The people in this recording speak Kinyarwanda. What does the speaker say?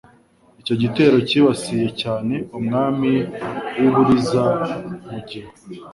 Icyo gitero cyibasiye cyane Umwami w'u Buliza Mugina,